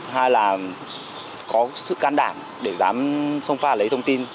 hai là có sự can đảm để dám xông pha lấy thông tin